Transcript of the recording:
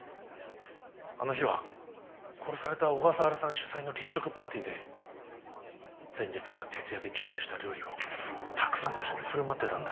あの日は殺された小笠原さん主催の立食パーティーで前日から徹夜で準備した料理をたくさんの人に振る舞ってたんだ。